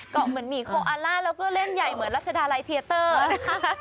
ก็เหมือนหมีโคอาล่าแล้วก็เล่นใหญ่เหมือนรัชดาลัยเพียเตอร์นะคะ